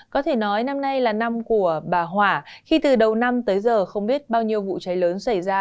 có thể nói năm nay là năm của bà hỏa khi từ đầu năm tới giờ không biết bao nhiêu vụ cháy lớn xảy ra